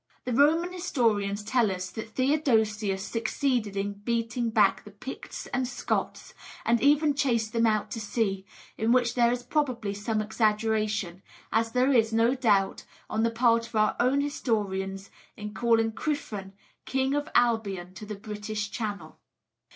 The Roman historians tell us that Theodosius succeeded in beating back the Picts and Scots, and even chased them out to sea, in which there is probably some exaggeration, as there is, no doubt, on the part of our own historians in calling Criffan "King of Albion to the British Channel."